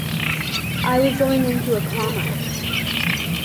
I was going into a coma.